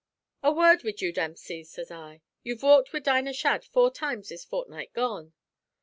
"'A word wid you, Dempsey,' sez I. 'You've walked wid Dinah Shadd four times this fortnight gone.'